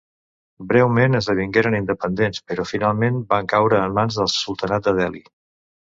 Breument esdevingueren independents, però finalment van caure en mans del sultanat de Delhi.